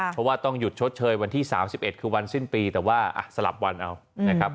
เพราะว่าต้องหยุดชดเชยวันที่๓๑คือวันสิ้นปีแต่ว่าสลับวันเอานะครับ